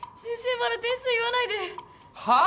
まだ点数言わないではあ！？